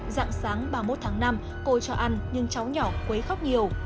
dạng sáng ba mươi một tháng năm cô cho ăn nhưng cháu nhỏ quấy khóc nhiều